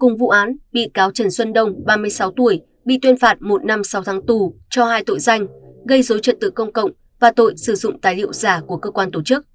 cùng vụ án bị cáo trần xuân đông ba mươi sáu tuổi bị tuyên phạt một năm sau tháng tù cho hai tội danh gây dối trật tự công cộng và tội sử dụng tài liệu giả của cơ quan tổ chức